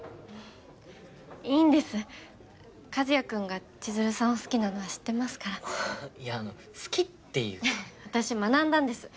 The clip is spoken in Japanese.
いいんです和也くんが千鶴さんを好きなのは知ってますからいやあの好きっていうか私学んだんです